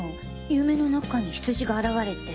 夢の中にヒツジが現れて。